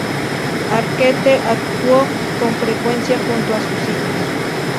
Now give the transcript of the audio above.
Arquette actuó con frecuencia junto a sus hijos.